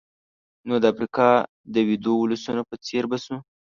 نو د افریقا د ویدو ولسونو په څېر به شو.